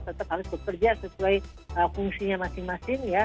tetap harus bekerja sesuai fungsinya masing masing ya